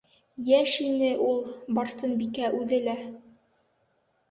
Йәш ине шул Барсынбикә үҙе лә.